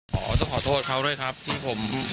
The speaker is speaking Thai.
ขอต้อนรับขอโทษเขาด้วยครับที่ผม